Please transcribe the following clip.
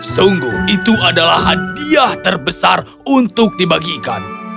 sungguh itu adalah hadiah terbesar untuk dibagikan